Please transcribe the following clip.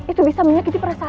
itu bisa menyakiti perasaanmu